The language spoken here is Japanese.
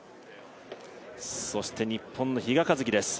そして日本の比嘉一貴です。